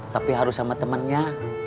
tapi harus sama temennya